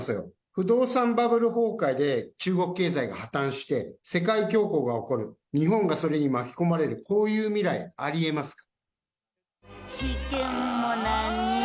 不動産バブル崩壊で中国経済が破綻して、世界恐慌が起こる、日本がそれに巻き込まれる、こういう未来ありえますか？